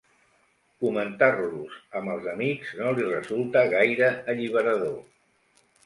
Comentar-los amb els amics no li resulta gaire alliberador.